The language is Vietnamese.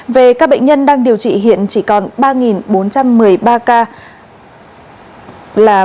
về các bệnh nhân đang điều trị hiện chỉ còn ba bốn trăm một mươi ba ca